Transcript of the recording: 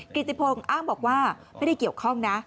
กิติพงศ์อ้างบอกว่าไม่ได้เกี่ยวข้องนะ